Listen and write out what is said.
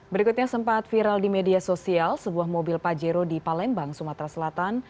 berikutnya sempat viral di media sosial sebuah mobil pajero di palembang sumatera selatan